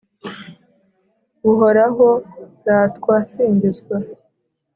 buhoraho, ratwa singizwa